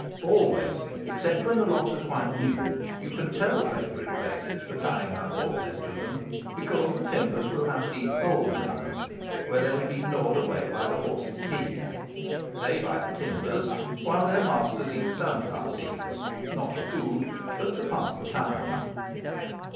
Always, except when the logs are quite new, you can tell the favourite places for tying up horses to them, because the timbers will have deep holes in them, where they have been gnawed away by the horses' teeth. They bite the timbers, while their masters eat sunflower seeds, not for food, but to pass the time.